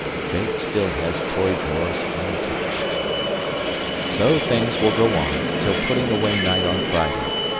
Fate still has toy drawers untouched... So things will go on till putting away night on Friday.